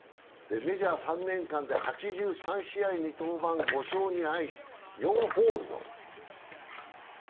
メジャー３年間で８３試合に登板、５勝２敗、４ホールド。